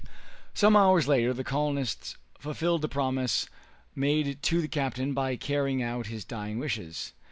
Some hours later the colonists fulfilled the promise made to the captain by carrying out his dying wishes.